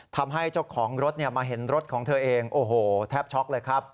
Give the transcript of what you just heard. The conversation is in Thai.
ทำให้เจ้าของรถมาเห็นรถของเธอเองโอ้โหแทบช็อกเลยครับ